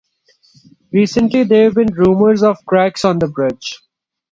Recently, there have been rumours of cracks on the bridge.